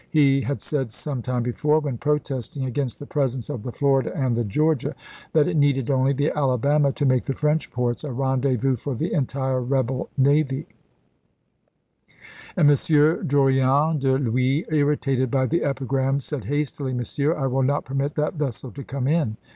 He had said some time before, when protesting against the presence of the Florida and the Georgia, that it needed only the Alabama to make the French ports a rendezvous for the entire rebel navy, and M. Drouyn de PHuys, irritated by the epigram, said hastily :" Monsieur, I will not permit that vessel toDsae^a?d to come in."